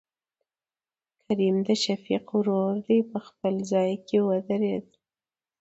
کريم دشفيق ورور په خپل ځاى کې ودرېد.